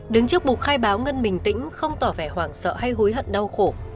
đứng trước bục khai báo ngân bình tĩnh không tỏ vẻ hoảng sợ hay hối hận đau khổ